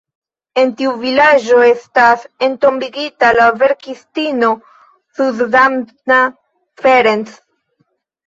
En tiu vilaĝo estas entombigita la verkistino Zsuzsanna Ferencz.